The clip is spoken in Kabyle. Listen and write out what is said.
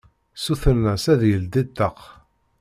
Sutren-as ad yeldi ṭṭaq.